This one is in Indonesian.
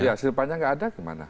ya sifatnya nggak ada kemana